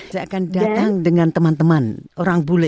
saya akan datang dengan teman teman orang bule